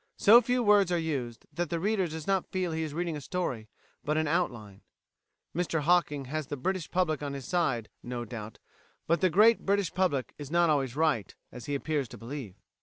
So few words are used, that the reader does not feel he is reading a story, but an outline." Mr Hocking has the British Public on his side, no doubt, but the great British Public is not always right, as he appears to believe.